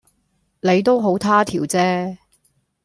你都好他條即